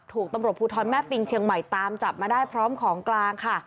ถูกตำรวจภูทรแม่ปิงเชียงใหม่ตามจับมาได้พร้อมของกลางค่ะ